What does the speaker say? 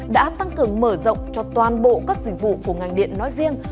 đã tăng cường mở rộng cho toàn bộ các dịch vụ của ngành điện nói riêng